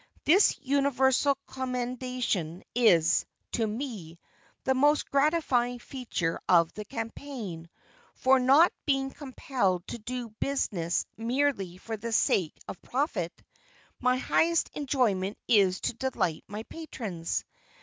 This universal commendation is, to me, the most gratifying feature of the campaign, for not being compelled to do business merely for the sake of profit, my highest enjoyment is to delight my patrons.